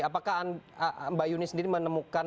apakah mbak yuni sendiri menemukan